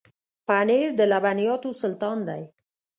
پنېر د لبنیاتو سلطان دی.